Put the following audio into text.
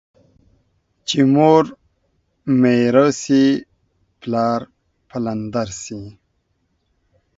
چي مور ميره سي ، پلار پلندر سي.